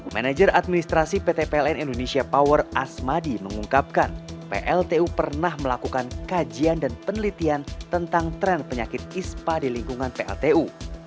manager administrasi pt pln indonesia power asmadi mengungkapkan pltu pernah melakukan kajian dan penelitian tentang tren penyakit ispa di lingkungan pltu